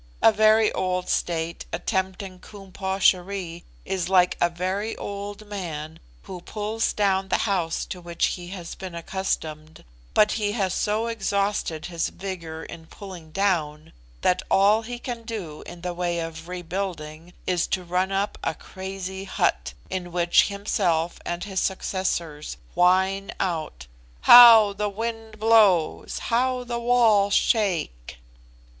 A very old state attempting Koom Posh erie is like a very old man who pulls down the house to which he has been accustomed, but he has so exhausted his vigour in pulling down, that all he can do in the way of rebuilding is to run up a crazy hut, in which himself and his successors whine out, 'How the wind blows! How the walls shake!